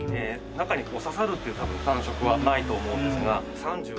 中に刺さるっていう感触はないと思うんですが。